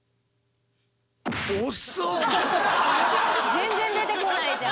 全然出てこないじゃん。